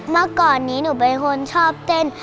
เมื่อก่อนนี้หนูเป็นคนชอบเต้น